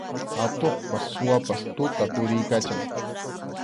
Atuqpas suwapas tuta puriykachan.